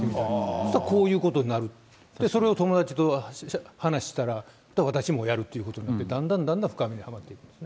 そしたらこういうことになる、それを友達と話したら、私もやるということになってだんだんだんだん深みにはまっていく。